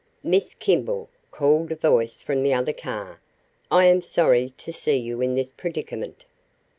"Miss Kimball," called a voice from the other car. "I am sorry to see you in this predicament.